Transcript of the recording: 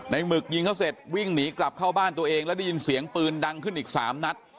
หมึกยิงเขาเสร็จวิ่งหนีกลับเข้าบ้านตัวเองแล้วได้ยินเสียงปืนดังขึ้นอีก๓นัด